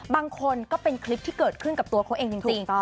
บางคนก็เป็นคลิปที่เกิดขึ้นกับตัวเขาเองจริง